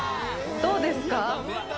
どうですか？